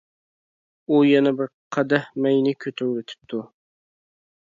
ئۇ يەنە بىر قەدەھ مەينى كۆتۈرۈۋېتىپتۇ.